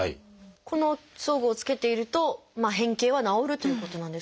この装具を着けていると変形は治るということなんですか？